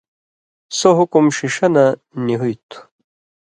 سو حُکُم ݜِݜہ نہ نی ہُوئ تُھو،